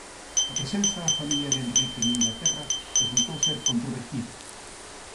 A presenza da familia de Henrique en Inglaterra resultou ser controvertida.